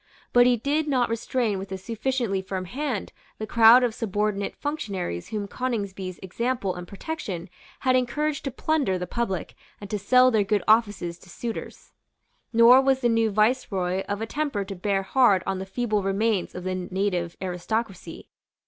But he did not restrain with a sufficiently firm hand the crowd of subordinate functionaries whom Coningsby's example and protection had encouraged to plunder the public and to sell their good offices to suitors. Nor was the new Viceroy of a temper to bear hard on the feeble remains of the native aristocracy.